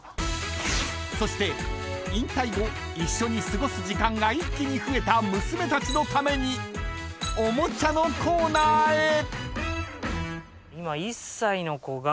［そして引退後一緒に過ごす時間が一気に増えた娘たちのためにおもちゃのコーナーへ］